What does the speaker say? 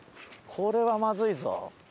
これはまずいぞ。